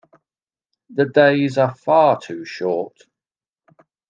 The days are far too short.